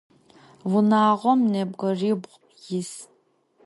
Vunağom nebgıribğu yis.